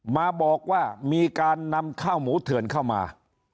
มาบอกว่ามีการนำข้าวหมูเถื่อนเข้ามา